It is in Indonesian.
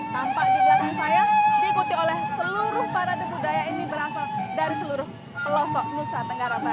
tampak di belakang saya diikuti oleh seluruh parade budaya ini berasal dari seluruh pelosok nusa tenggara barat